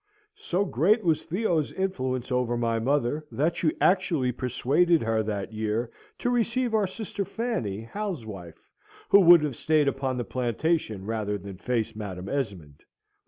So great was Theo's influence over my mother, that she actually persuaded her, that year, to receive our sister Fanny, Hal's wife, who would have stayed upon the plantation rather than face Madam Esmond.